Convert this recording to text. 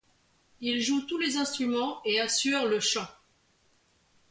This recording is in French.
Il joue tous les instruments et assure le chant.